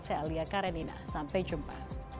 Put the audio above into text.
saya alia karenina sampai jumpa